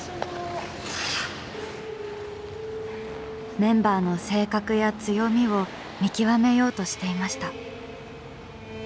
メンバーの性格や強みを見極めようとしていました。